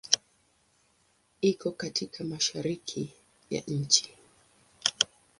Iko katika Mashariki ya nchi.